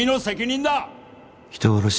人殺し。